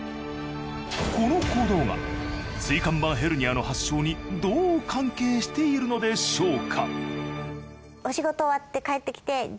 この行動が椎間板ヘルニアの発症にどう関係しているのでしょうか